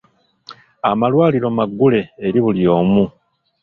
Amalwaliro maggule eri buli omu.